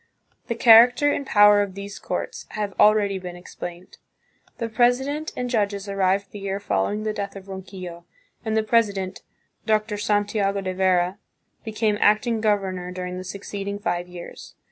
The character and power of these courts have already been explained. The president and judges arrived the year following the death of Ronquillo, and the president, Dr. Santi ago deVera, became act ing gOVer More Spear. nor during the succeeding five years.